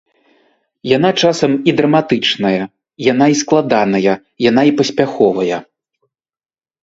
Яна часам і драматычная, яна і складаная, яна і паспяховая.